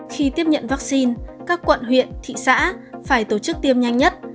khi tiếp nhận vắc xin các quận huyện thị xã phải tổ chức tiêm nhanh nhất